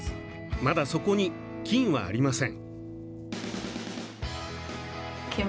まだそこに、金はありません。